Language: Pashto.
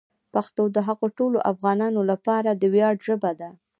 پښتو د هغو ټولو افغانانو لپاره د ویاړ ژبه ده.